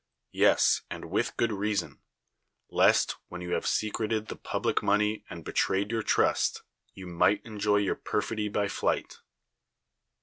Yes, and with good reason ; lest, when you have secreted the ])ublic money and betrayed your trust, you might en joy your pei fidy by lliirht.